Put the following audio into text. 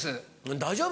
大丈夫？